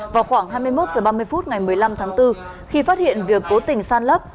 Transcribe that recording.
vào khoảng hai mươi một h ba mươi phút ngày một mươi năm tháng bốn khi phát hiện việc cố tình san lấp